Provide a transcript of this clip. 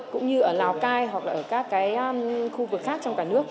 cũng như ở lào cai hoặc là ở các cái khu vực khác trong cả nước